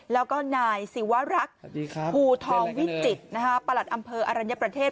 แล้วก็นายศิวรักษ์ภูทองวิจิตรประหลัดอำเภออรัญญประเทศ